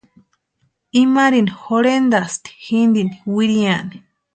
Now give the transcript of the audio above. Imarini jorhentʼasti jintini wiriani.